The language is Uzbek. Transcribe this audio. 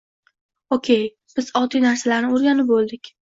Okey, biz oddiy narsalarni o’rganib bo’ldik